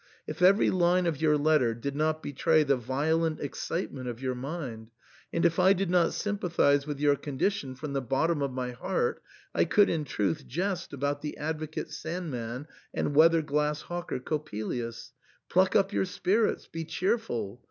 If every line of your letter did not betray the violent excitement of your mind, and if I did not sympathise with your condition from the bottom of my heart, I could in truth jest about the advocate Sand man and weather glass hawker Coppelius. Pluck up your spirits ! Be cheerful!